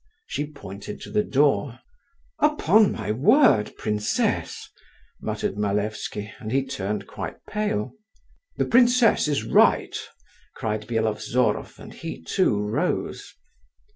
She pointed to the door. "Upon my word, princess," muttered Malevsky, and he turned quite pale. "The princess is right," cried Byelovzorov, and he too rose.